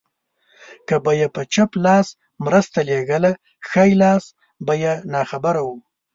که به يې په چپ لاس مرسته لېږله ښی لاس به يې ناخبره و.